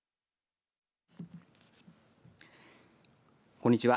こんにちは。